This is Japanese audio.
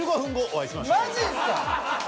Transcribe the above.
マジっすか。